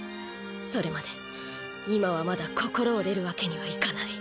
それまで今はまだ心折れるわけにはいかない。